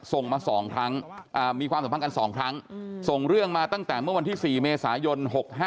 ส่งมา๒ครั้งมีความสัมพันธ์กัน๒ครั้งส่งเรื่องมาตั้งแต่เมื่อวันที่๔เมษายน๖๕